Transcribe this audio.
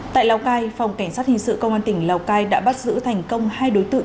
tại lào cai phòng cảnh sát hình sự công an tỉnh lào cai đã bắt giữ thành công hai đối tượng